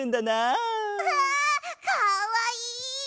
うわかわいい！